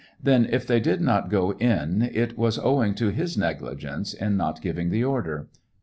Then if they did not go in it was owing to his negligence in not giving the order?